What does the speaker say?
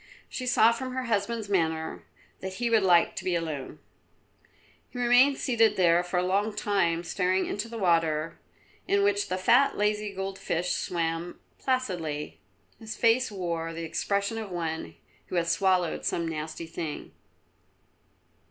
She saw from her husband's manner that he would like to be alone. He remained seated there for a long time, staring into the water in which the fat, lazy, gold fish swam placidly. His face wore the expression of one who has swallowed some nasty thing.